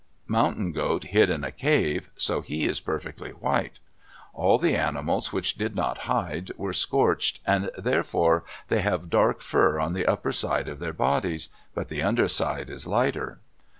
Mountain Goat hid in a cave, so he is perfectly white. All the animals which did not hide were scorched and therefore they have dark fur on the upper side of their bodies, but the under side is lighter.